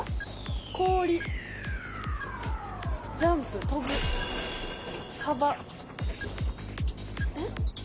氷ジャンプ跳ぶ幅えっ？